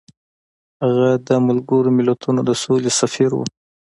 هغه د ملګرو ملتونو د سولې سفیر و.